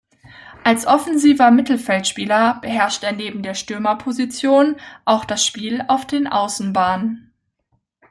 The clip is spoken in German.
Als offensiver Mittelfeldspieler beherrscht er neben der Stürmerposition auch das Spiel auf den Außenbahnen.